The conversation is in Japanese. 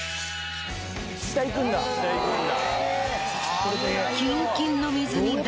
下行くんだ。